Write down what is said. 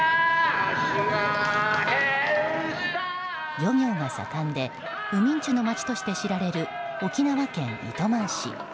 漁業が盛んでうみんちゅのまちとして知られる沖縄県糸満市。